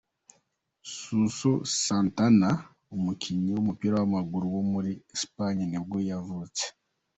Suso Santana, umukinnyi w’umupira w’amaguru wo muri Espagne nibwo yavutse.